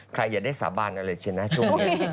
ใครอย่าได้สาบานอะไรเช่นนั้นช่วงนี้